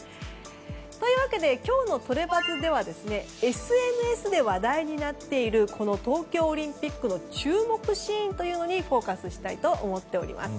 というわけで今日のトレバズではＳＮＳで話題になっている東京オリンピックの注目シーンというのにフォーカスしたいと思います。